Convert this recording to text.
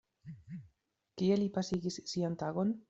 Kie li pasigis sian tagon?